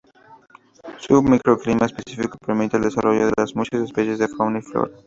Su microclima específico permite el desarrollo de las muchas especies de fauna y flora.